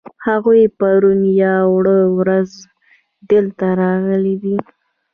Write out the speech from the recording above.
هغوی پرون یا وړمه ورځ دلته راغلي دي.